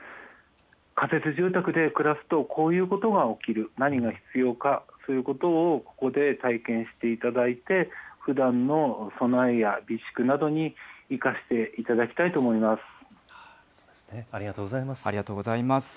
仮設住宅で暮らすと、こういうことが起きる、何が必要か、そういうことをここで体験していただいて、ふだんの備えや備蓄などに生かしていただきたいと思います。